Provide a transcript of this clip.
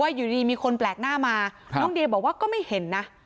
อยู่ดีมีคนแปลกหน้ามาน้องเดียบอกว่าก็ไม่เห็นนะ